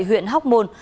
huyện hóc môn